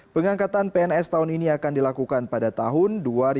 pengangkatan pns tahun ini akan dilakukan pada tahun dua ribu dua puluh